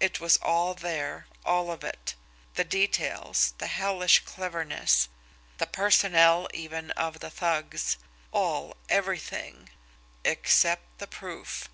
It was all there, all of it, the details, the hellish cleverness, the personnel even of the thugs, all, everything except the proof.